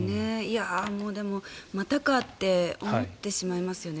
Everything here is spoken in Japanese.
でも、またかって思ってしまいますよね。